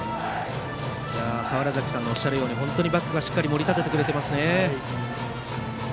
川原崎さんのおっしゃるようにバックがしっかり盛り立ててくれてますね。